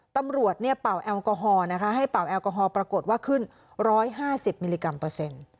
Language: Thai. ตำรวจเนี่ยเป่าแอลกอฮอล์นะคะให้เป่าแอลกอฮอล์ปรากฏว่าขึ้น๑๕๐มิลลิกรัมเปอร์เซ็นต์